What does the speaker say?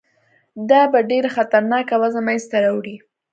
دا به ډېره خطرناکه وضع منځته راوړي.